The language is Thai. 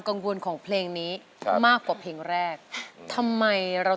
ถ้าท่านทัพกิ่งพร้อมที่จะสู้แล้วอินโทรมาเลยครับ